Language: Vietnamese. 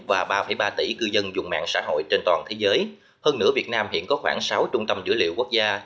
và ba ba tỷ cư dân dùng mạng xã hội trên toàn thế giới hơn nữa việt nam hiện có khoảng sáu trung tâm dữ liệu quốc gia